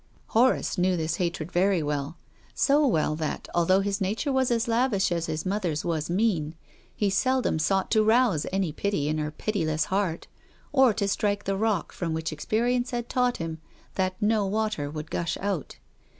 Horace knew this hatred very well, so well that, although his nature was as lavish as his mother's was mean, he seldom sought to rouse any pity in her pitiless heart, or to strike the rock from which experience had taught him that no water would gush out.